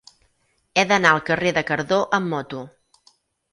He d'anar al carrer de Cardó amb moto.